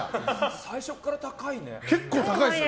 最初から高いね。